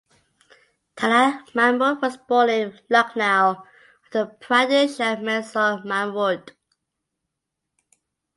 Talat Mahmood was born in Lucknow, Uttar Pradesh, to Manzoor Mahmood.